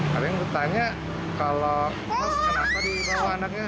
kadang ditanya kalau pos kenapa dibawa anaknya